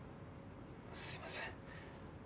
すいません。